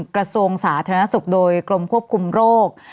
กระทรวงสาธารณสุขโดยกรมควบคุมโรค